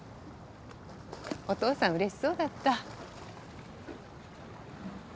お父さんうれしそうだった。